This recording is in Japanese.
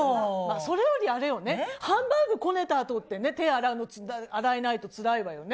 それよりあれよね、ハンバーグこねたあとってね、手洗えないとつらいわよね。